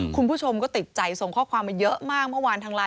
คุณผู้ชมก็ติดใจส่งข้อความมาเยอะมากเมื่อวานทางไลน